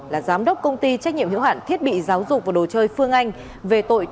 là giám đốc công ty trách nhiệm hiệu hạn thiết bị giáo dục và đồ chơi phương anh về tội